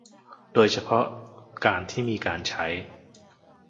โดยเฉพาะการที่มีการใช้